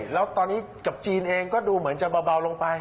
แล้วตอนนี้กับจีนเองก็ดูเหมือนจะเบาลงไป